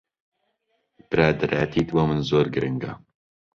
برادەرایەتیت بۆ من زۆر گرنگە.